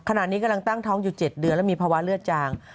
ขณะนี้กำลังตั้งท้องอยู่๗เดือนแล้วมีภาวะเลือดจาง